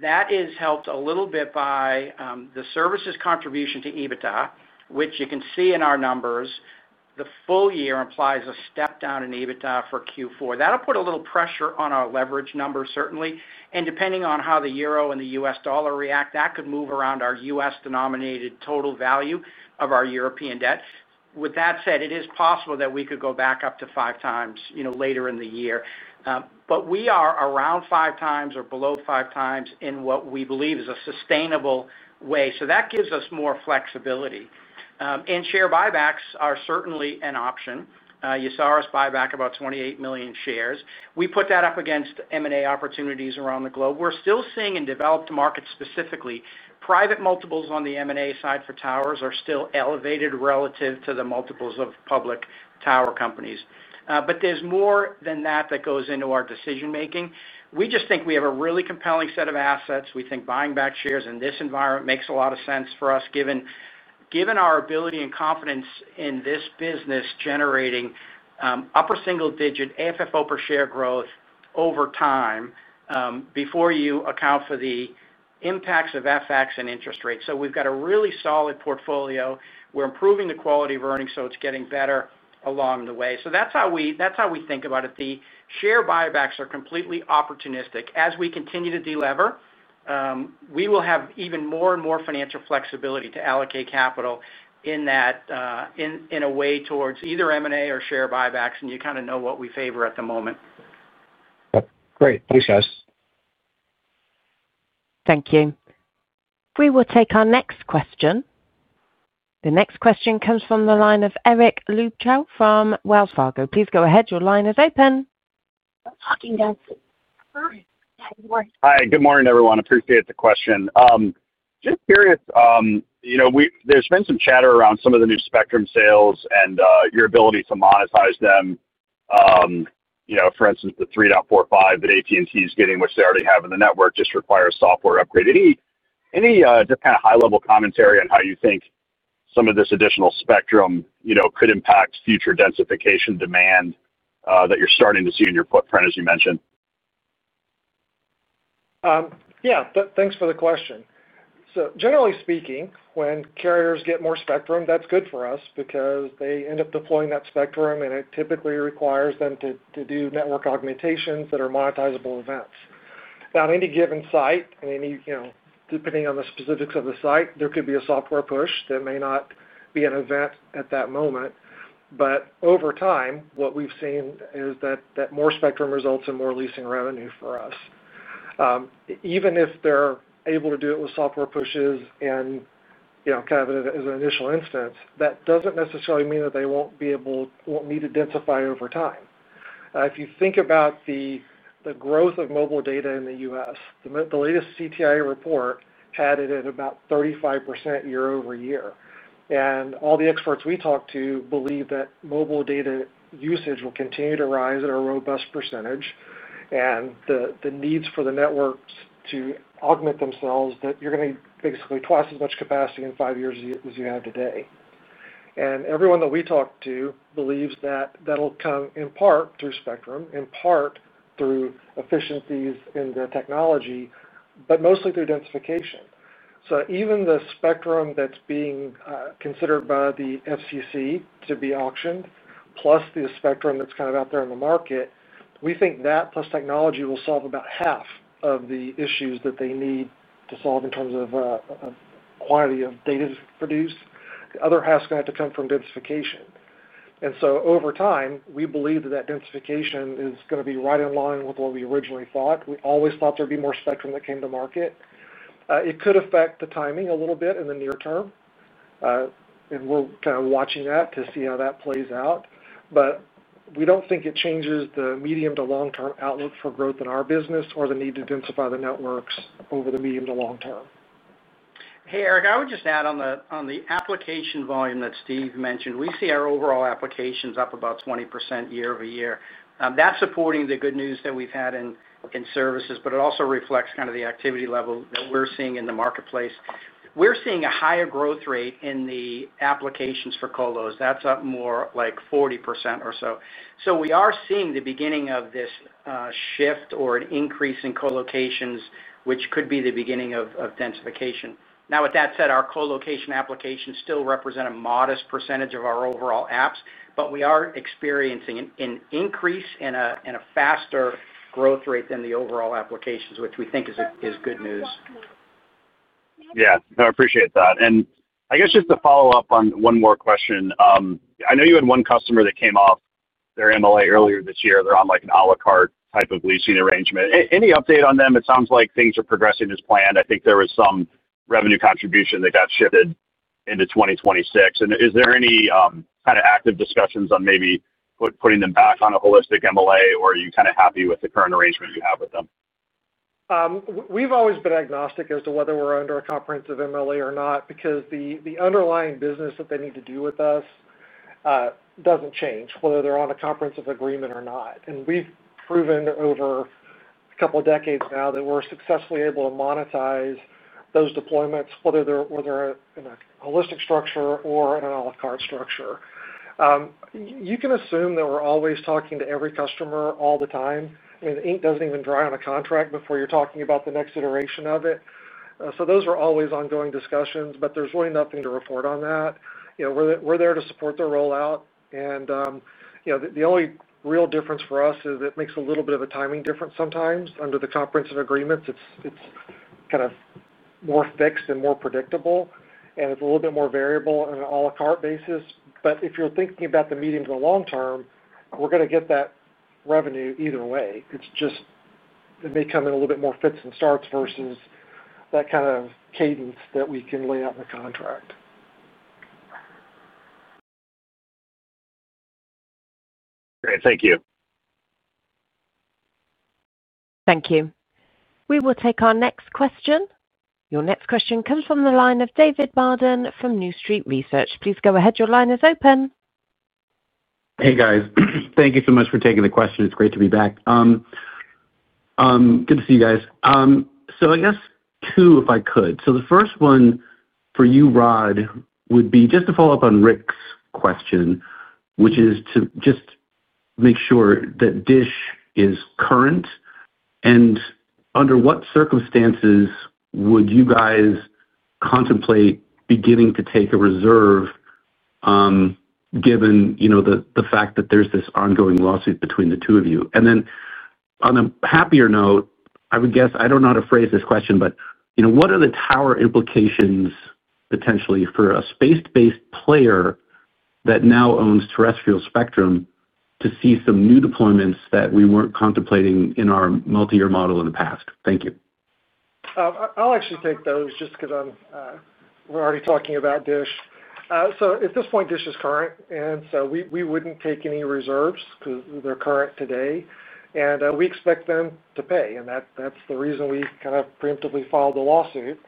That is helped a little bit by the services contribution to EBITDA which you can see in our numbers. The full year implies a step down in EBITDA for Q4. That will put a little pressure on our leverage number certainly. Depending on how the Euro and the U.S. dollar react, that could move around our U.S. denominated total value of our European debt. With that said, it is possible that we could go back up to 5x later in the year. We are around 5x or below 5x in what we believe is a sustainable way. That gives us more flexibility. Share buybacks are certainly an option. You saw us buy back about 28 million shares. We put that up against M&A opportunities around the globe. We're still seeing in developed markets, specifically private multiples on the M&A side for towers are still elevated relative to the multiples of public tower companies. There's more than that that goes into our decision making. We just think we have a really compelling set of assets. We think buying back shares in this environment makes a lot of sense for us given our ability to and confidence in this business. Generating upper single digit AFFO per share growth over time before you account for the impacts of FX and interest rates. We've got a really solid portfolio. We're improving the quality of earnings, so it's getting better along the way. That's how we think about it. The share buybacks are completely opportunistic. As we continue to delever, we will have even more and more financial flexibility to allocate capital in that in a way towards either M&A or share buybacks. You kind of know what we favor at the moment. Great, thanks guys. Thank you. We will take our next question. The next question comes from the line of Eric Luebchow from Wells Fargo. Please go ahead. Your line is open. Hi, good morning everyone. Appreciate the question. Just curious, you know, there's been some chatter around some of the new spectrum sales and your ability to monetize them. For instance, the 3.45 that AT&T is getting, which they already have in the network, just requires software upgrade. Any just kind of high level commentary on how you think some of this additional spectrum could impact future densification demand that you're starting to see in your footprint, as you mentioned. Yeah, thanks for the question. Generally speaking, when carriers get more spectrum, that's good for us because they end up deploying that spectrum and it typically requires them to do network augmentations that are monetizable events. At any given site, depending on the specifics of the site, there could be a software push that may not be an event at that moment, but over time what we've seen is that more spectrum results in more leasing revenue for us, even if they're able to do it with software pushes. As an initial instance, that doesn't necessarily mean that they won't need to densify over time. If you think about the growth of mobile data in the U.S., the latest CTIA report had it at about 35% year-over-year. All the experts we talk to believe that mobile data usage will continue to rise at a robust percentage and the needs for the networks to augment themselves, that you're going to basically have twice as much capacity in five years as you have today. Everyone that we talk to believes that will come in part through spectrum, in part through efficiencies in the technology, but mostly through densification. Even the spectrum that's being considered by the FCC to be auctioned, plus the spectrum that's out there in the market, we think that plus technology will solve about half of the issues that they need to solve in terms of quantity of data produced. The other half is going to have to come from densification. Over time we believe that densification is going to be right in line with what we originally thought. We always thought there'd be more spectrum that came to market. It could affect the timing a little bit in the near term. We're watching that to see how that plays out. We don't think it changes the medium to long term outlook for growth in our business or the need to densify the networks over the medium to long term. Hey Eric, I would just add on the application volume that Steve mentioned, we see our overall applications up about 20% year-over-year. That's supporting the good news that we've had in services, but it also reflects the activity level that we're seeing in the marketplace. We're seeing a higher growth rate in the applications for Colos, that's up more like 40% or so. We are seeing the beginning of this shift or an increase in colocations, which could be the beginning of densification. Now, with that said, our colocation applications still represent a modest percentage of our overall apps, but we are experiencing an increase and a faster growth rate than the overall applications, which we think is good news. Yeah, I appreciate that. I guess just to follow up on one more question, I know you had one customer that came off their MLA earlier this year. They're on like an a la carte. Type of leasing arrangement. Any update on them? It sounds like things are progressing as planned. I think there was some revenue contribution that got shifted into 2026. Is there any kind of active discussions on maybe putting them back on a holistic MLA, or are you kind of happy with the current arrangement you have with them? We've always been agnostic as to whether we're under a comprehensive MLA or not, because the underlying business that they need to do with us doesn't change whether they're on a comprehensive agreement or not. We've proven over a couple of decades now that we're successfully able to monetize those deployments, whether in a holistic structure or in an a la carte structure. You can assume that we're always talking to every customer all the time. Ink doesn't even dry on a contract before you're talking about the next iteration of it. Those are always ongoing discussions. There's really nothing to report on that. We're there to support the rollout. The only real difference for us is it makes a little bit of a timing difference sometimes under the comprehensive agreements. It's kind of more fixed and more predictable, and it's a little bit more variable on an a la carte basis. If you're thinking about the medium to the long term, we're going to get that revenue either way. It may come in a little bit more fits and starts versus that kind of cadence that we can lay out in the contract. Great. Thank you. Thank you. We will take our next question. Your next question comes from the line of David Barden from New Street Research. Please go ahead. Your line is open. Hey, guys, thank you so much for taking the question. It's great to be back. Good to see you guys. I guess two if I could. The first one for you, Rod, would be just to follow up on Rick's question, which is to just make sure that Dish is current. Under what circumstances would you guys contemplate beginning to take a reserve, given the fact that there's this ongoing lawsuit between the two of you? On a happier note, I would guess, I don't know how to phrase this question, but what are the tower implications potentially for a space-based player that now owns terrestrial spectrum to see some new deployments that we weren't contemplating in our multi-year model in the past? Thank you. I'll actually take those just because we're already talking about EchoStar. At this point, EchoStar is current, and we wouldn't take any reserves because they're current today and we expect them to pay. That's the reason we kind of preemptively filed a lawsuit,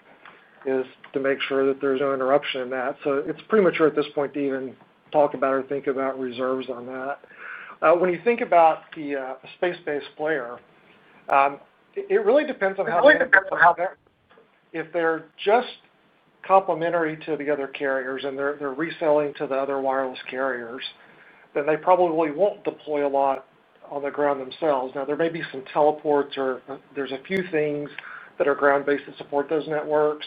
to make sure that there's no interruption in that. It's premature at this point to even talk about or think about reserves on that. When you think about the space-based flare, it really depends on how. If they're just complementary to the other carriers and they're reselling to the other wireless carriers, then they probably won't deploy a lot on the ground themselves. There may be some teleports or a few things that are ground-based that support those networks,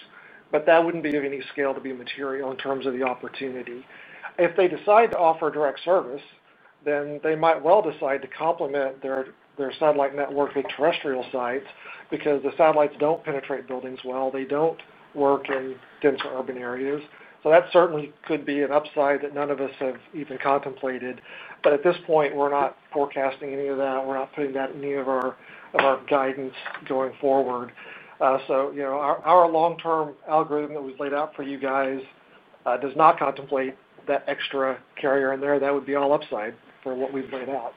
but that wouldn't be of any scale to be material in terms of the opportunity. If they decide to offer direct service, they might well decide to complement their satellite networks with terrestrial sites because the satellites don't penetrate buildings well, they don't work in denser urban areas. That certainly could be an upside that none of us have even contemplated. At this point, we're not forecasting any of that. We're not putting that in any of our guidance going forward. Our long-term algorithm that we've laid out for you does not contemplate that extra carrier in there. That would be all upside for what we've laid out.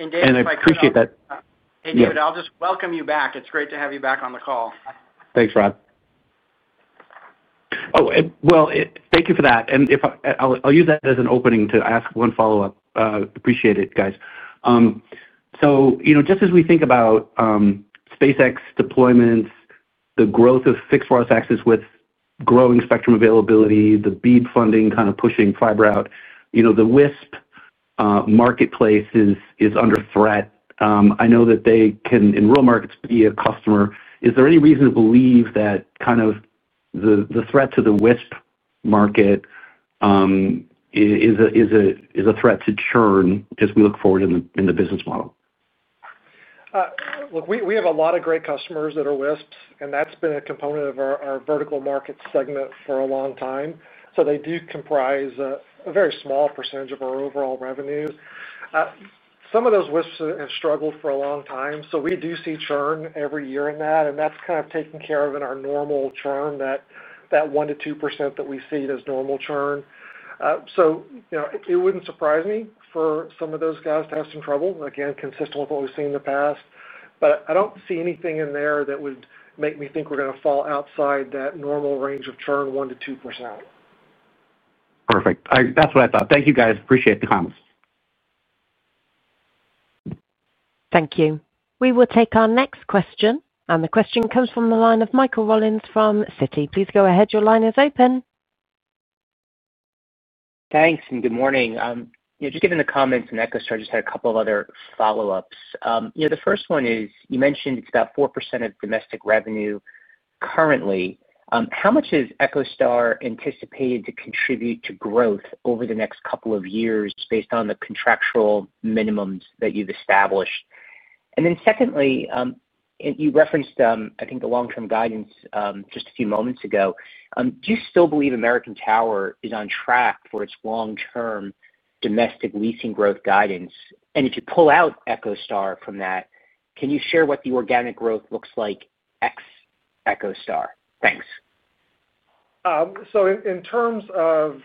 I appreciate that. David, I'll just welcome you back. It's great to have you back on the call. Thanks, Rod. Thank you for that, and I'll use that as an opening to ask one follow-up. Appreciate it, guys. Just as we think about SpaceX deployments, the growth of fixed wireless access. With growing spectrum availability, the BEAD funding. Kind of pushing fiber out, you know, the WISP marketplace is under threat. I know that they can in real markets be a customer. Is there any reason to believe that kind of the threat to the WISP market is a threat to churn as we look forward in the business model? Look, we have a lot of great customers that are WISPs and that's been a component of our vertical market segment for a long time. They do comprise a very small percentage of our overall revenues. Some of those WISPs have struggled for a long time. We do see churn every year in that and that's kind of taken care of in our normal churn. That 1%-2% that we see is normal churn. It wouldn't surprise me for some of those guys to have some trouble again, consistent with what we've seen in the past. I don't see anything in there that would make me think we're going to fall outside that normal range of churn, 1%-2%. Perfect. That's what I thought. Thank you guys. Appreciate the comments. Thank you. We will take our next question and the question comes from the line of Michael Rollins from Citigroup. Please go ahead. Your line is open. Thanks and good morning. Just given the comments on EchoStar, just had a couple of other follow ups. The first one is you mentioned it's about 4% of domestic revenue currently. How much is EchoStar anticipated to contribute to growth over the next couple of years based on the contractual minimums that you've established? Secondly, you referenced I think the long term guidance just a few moments ago. Do you still believe American Tower is on track for its long term domestic leasing growth guidance? If you pull out EchoStar from that, can you share what the organic growth looks like ex EchoStar. Thanks. In terms of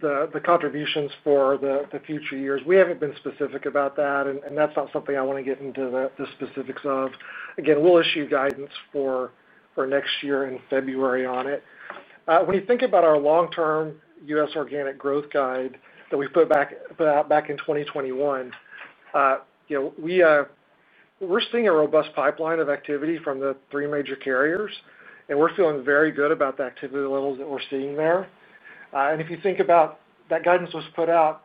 the contributions for the future years, we haven't been specific about that and that's not something I want to get into the specifics of. We'll issue guidance for next year in February on it. When you think about our long term U.S. organic growth guide that we put out back in 2021, we're seeing a robust pipeline of activity from the three major carriers and we're feeling very good about the activity levels that we're seeing there. If you think about that guidance, it was put out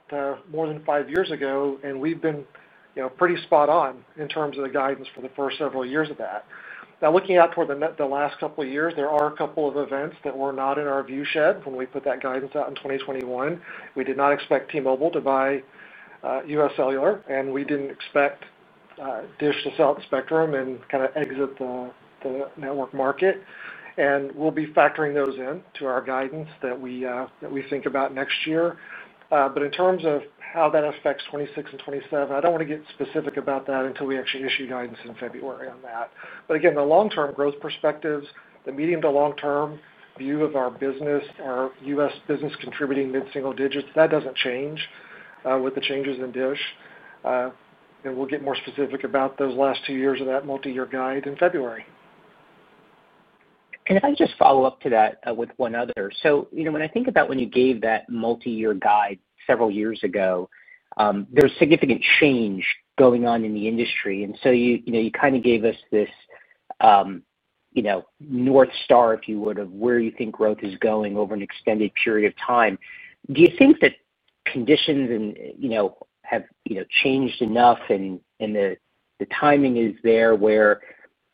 more than five years ago and we've been pretty spot on in terms of the guidance for the first several years of that. Now, looking out toward the last couple of years, there are a couple of events that were not in our view shed when we put that guidance out in 2021. We did not expect T-Mobile to buy U.S. Cellular and we didn't expect Dish Network to sell the spectrum and kind of exit the network market. We'll be factoring those in to our guidance as we think about next year. In terms of how that affects 2026 and 2027, I don't want to get specific about that until we actually issue guidance in February on that. The long term growth perspectives, the medium to long term view of our business, our U.S. business contributing mid single digits, that doesn't change with the changes in Dish Network. We'll get more specific about those last two years of that more multi year guide in February. When I think about when you gave that multi-year guide several years ago, there is significant change going on in the industry and you kind of gave us this North Star, if you would, of where you think growth is going over an extended period of time. Do you think that conditions have changed enough and the timing is there where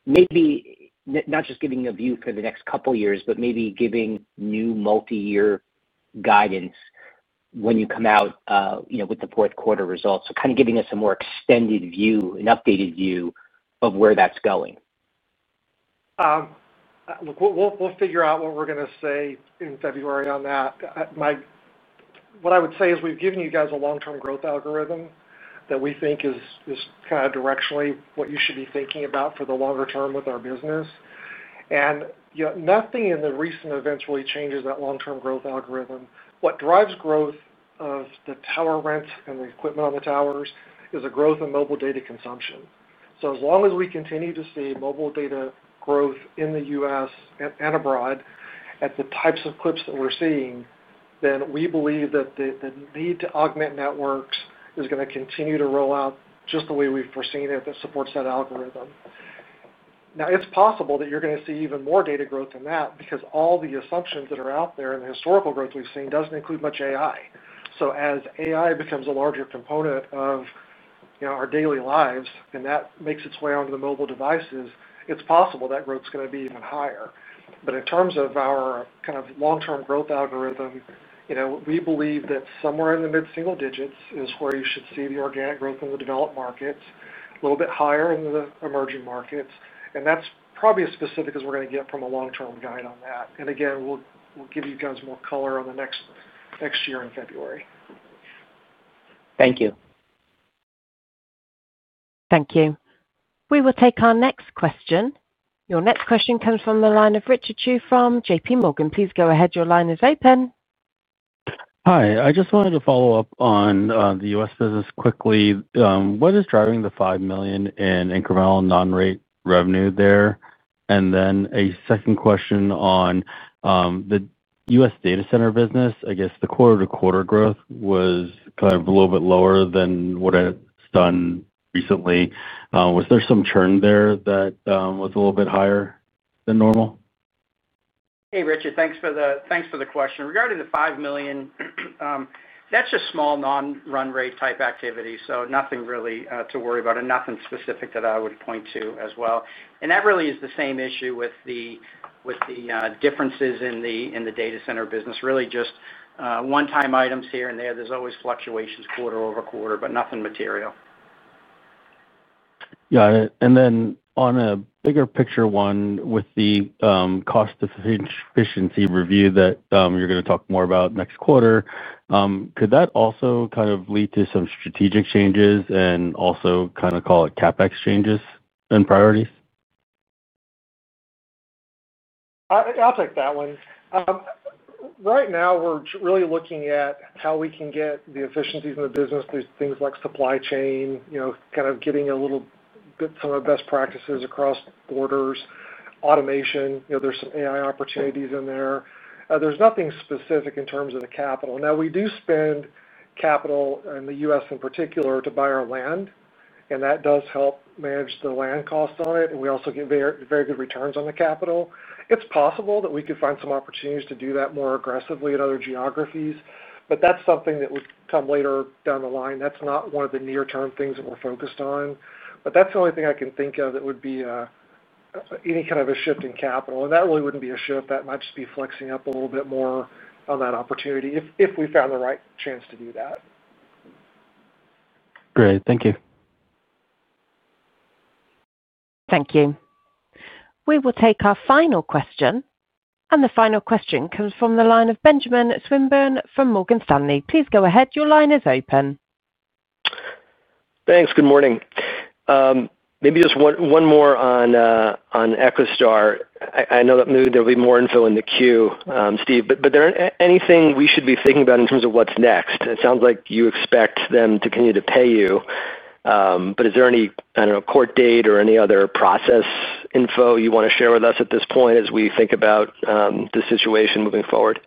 maybe not just giving a view for the next couple years but maybe giving new multi-year guidance when you come out with the fourth quarter results? Kind of giving us a more extended view, an updated view of where that's going. We'll figure out what we're going to say in February on that. What I would say is we've given you guys a long-term growth algorithm that we think is kind of directionally what you should be thinking about for the longer term with our business. Nothing in the recent events really changes that long-term growth algorithm. What drives growth of the tower rent and the equipment on the towers is a growth in mobile data consumption. As long as we continue to see mobile data growth in the U.S. and abroad at the types of clips that we're seeing, we believe that the need to augment networks is going to continue to roll out just the way we've foreseen it. That supports that algorithm. It's possible that you're going to see even more data growth than that because all the assumptions that are out there in the historical growth we've seen doesn't include much AI. As AI becomes a larger component of our daily lives and that makes its way onto the mobile devices, it's possible that growth is going to be even higher. In terms of our kind of long-term growth algorithm, we believe that somewhere in the mid-single digits is where you should see the organic growth in the developed markets, a little bit higher in the emerging markets. That's probably as specific as we're going to get from a long-term guide on that. Again, we'll give you guys more color on the next year in February. Thank you. Thank you. We will take our next question. Your next question comes from the line of Richard Chu from JPMorgan. Please go ahead, your line is open. Hi, I just wanted to follow up. On the U.S. business quickly, what is driving the $5 million in incremental non-rate revenue there? A second question on the U.S. data center business, I guess the quarter-to-quarter growth. Was kind of a little bit lower. Than what it's done recently. Was there some churn there that was a little bit higher than normal? Hey Richard, thanks for the question regarding the $5 million. That's just small non run rate type activity. Nothing really to worry about and nothing specific that I would point to as well. That really is the same issue with the differences in the data center business. Really just one time items here and there, there's always fluctuations quarter over quarter, but nothing material. Got it. On a bigger picture one with the cost efficiency review that you're going to talk more about next quarter, could that also kind of lead to some strategic changes and also kind of call it CapEx changes and priorities? I'll take that one. Right now we're really looking at how we can get the efficiencies in the business through things like supply chain, kind of getting a little bit some of the best practices across borders, automation. There's some AI opportunities in there. There's nothing specific in terms of the capital. Now we do spend capital in the U.S. in particular to buy our land, and that does help manage the land cost on it. We also get very good returns on the capital. It's possible that we could find some opportunities to do that more aggressively in other geographies, but that's something that would come later down the line. That's not one of the near term things that we're focused on. That's the only thing I can think of that would be any kind of a shift in capital, and that really wouldn't be a shift. That might just be flexing up a little bit more on that opportunity if we found the right chance to do that. Great, thank you. Thank you. We will take our final question. The final question comes from the line of Benjamin Swinburne from Morgan Stanley. Please go ahead. Your line is open. Thanks. Good morning. Maybe just one more on EchoStar. I know that maybe there will be. More info in the queue, Steve. Is there anything we should be thinking about in terms of what's next? It sounds like you expect them to. Continue to pay you, but is there any court date or any other process? Info you want to share with us at this point as we think about the situation moving forward?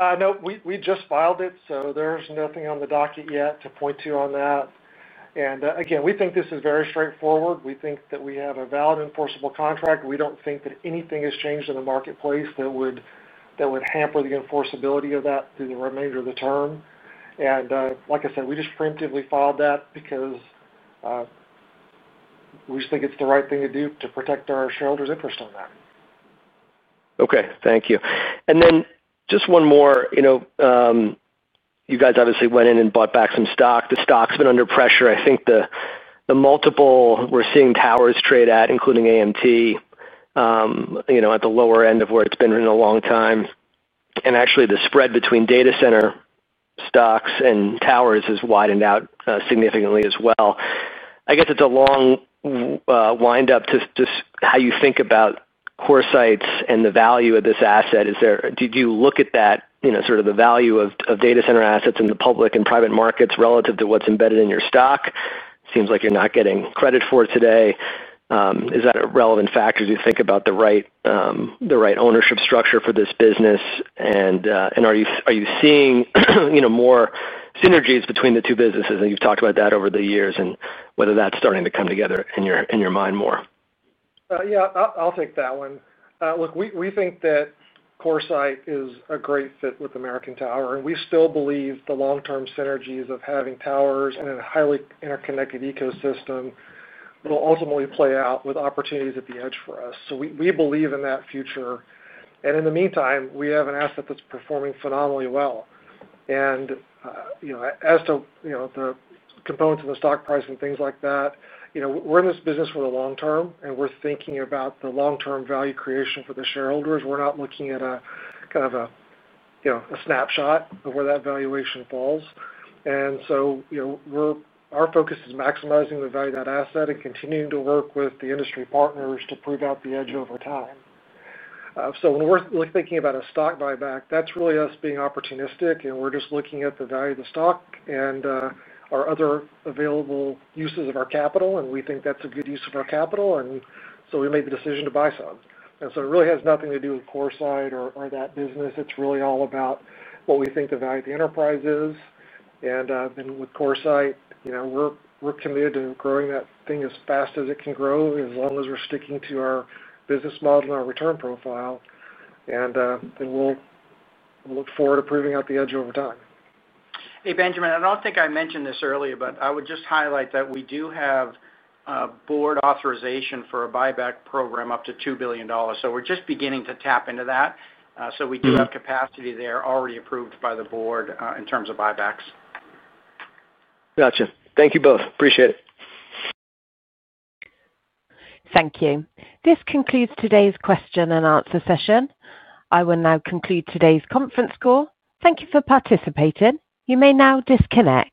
No, we just filed it. There's nothing on the docket yet to point to on that. We think this is very straightforward. We think that we have a valid, enforceable contract. We don't think that anything has changed in the marketplace that would hamper the enforceability of that through the remainder of the term. Like I said, we just preemptively filed that because we think it's the right thing to do to protect our shareholders' interest on that. Okay, thank you. And then just one more. You know, you guys obviously went in and bought back some stock. The stock's been under pressure. I think the multiple we're seeing, towers. Trade at, including Amtrak at the lower end of where it's been in a long time. Actually, the spread between data center stocks and towers has widened out significantly as well. I guess it's a long wind up to how you think about CoreSite and the value of this asset. Did you look at that, the value of data center assets in the public and private markets relative to what's embedded in your stock? Seems like you're not getting credit for today. Is that a relevant factor as you think about the right ownership structure for this business? Are you seeing more synergies between. The two businesses, and you've talked about that over the years, and whether that's. Starting to come together in your mind more? Yeah, I'll take that one. Look, we think that CoreSite is a great fit with American Tower. We still believe that long-term synergies of having towers and a highly interconnected ecosystem will ultimately play out with opportunities at the edge for us. We believe in that future, and in the meantime, we have an asset that's performing phenomenally well. As to the components of the stock price and things like that, we're in this business for the long term, and we're thinking about the long-term value creation for the shareholders. We're not looking at a kind of a snapshot of where that valuation falls. Our focus is maximizing the value of that asset and continuing to work with the industry partners to prove out the edge over time. When we're thinking about a stock buyback, that's really us being opportunistic, and we're just looking at the value of the stock and our other available uses of our capital. We think that's a good use of our capital, and we made the decision to buy some. It really has nothing to do with CoreSite or that business. It's really all about what we think the value of the enterprise is. With CoreSite, we're committed to growing that thing as fast as it can grow, as long as we're sticking to our business model and our return profile. We'll look forward to proving out the edge over time. Hey, Benjamin, I don't think I mentioned this earlier, but I would just highlight that we do have board authorization for a buyback program up to $2 billion. We're just beginning to tap into that. We do have capacity there already approved by the board in terms of buybacks. Gotcha. Thank you both. Appreciate it. Thank you. This concludes today's question and answer session. I will now conclude today's conference call. Thank you for participating. You may now disconnect.